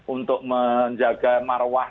untuk menjaga marwah